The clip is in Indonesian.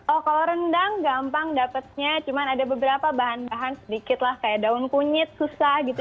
oh kalau rendang gampang dapatnya cuma ada beberapa bahan bahan sedikit lah kayak daun kunyit susah gitu